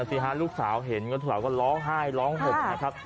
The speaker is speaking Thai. นั่นน่ะสิฮะลูกสาวเห็นลูกสาวก็ร้องไห้ร้องหกนะครับ